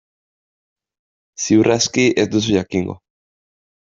Ziur aski ez duzu jakingo.